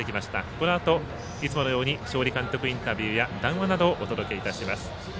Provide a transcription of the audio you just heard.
このあといつものように勝利監督インタビューや談話などをお届けいたします。